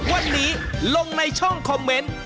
วันนี้ลงในช่องคอมเมนต์